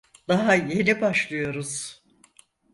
Daha yeni başlıyoruz.